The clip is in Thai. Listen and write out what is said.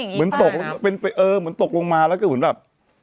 เหมือนตกเป็นเหมือนตกลงมาแล้วก็เหมือนแบบ